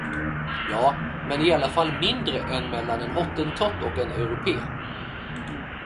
Ja, men i alla fall mindre än mellan en hottentott och en europé.